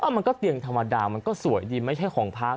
มันก็เตียงธรรมดามันก็สวยดีไม่ใช่ของพัก